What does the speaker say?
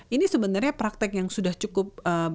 ini sebenarnya praktek yang sudah cukup